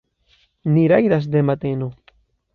Ni rajdas de mateno.